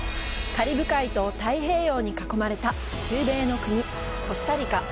カリブ海と太平洋に囲まれた中米の国、コスタリカ。